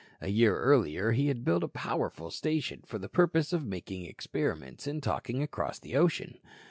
A year earlier he had built a powerful station for the purpose of making experiments in talking across the ocean.